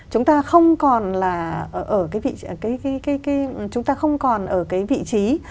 chúng ta không còn là ở cái vị trí